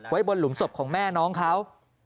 ไว้บนหลุมศพของแม่น้องเขา